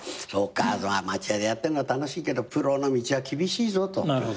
アマチュアでやってんのは楽しいけどプロの道は厳しいぞと。